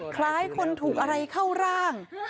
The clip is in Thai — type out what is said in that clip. คล้ายคนถูกอะไรเข้าร่าง